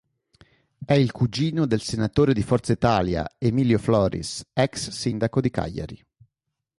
È il cugino del senatore di Forza Italia, Emilio Floris, ex sindaco di Cagliari.